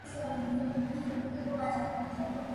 Բողբոջները գորշաշիկավուն են կամ բաց դարչնագույն։